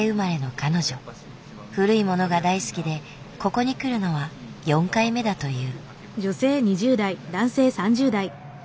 古いものが大好きでここに来るのは４回目だという。